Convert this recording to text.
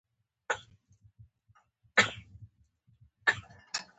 او د ستورو نقره يي غشو ته لینده جوړوي